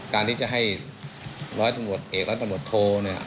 การที่จะให้ร้อยตำรวจเอกร้อยตำรวจโทเนี่ย